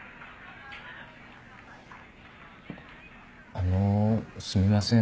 あのすみません